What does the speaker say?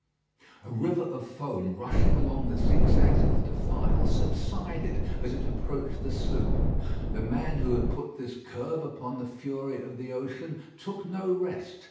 A river of foam rushing along the zigzags of the defile subsided as it approached the sloop. The man who had put this curb upon the fury of the ocean took no rest.